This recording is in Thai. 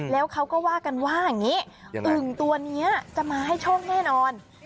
แล้วเขาก็ว่ากันว่าอย่างนี้อึ่งตัวนี้จะมาให้โชคแน่นอน